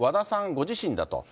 ご自身だと。